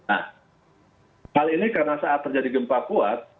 nah hal ini karena saat terjadi gempa kuat